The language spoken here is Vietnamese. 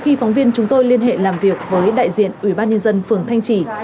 khi phóng viên chúng tôi liên hệ làm việc với đại diện ủy ban nhân dân phường thanh trì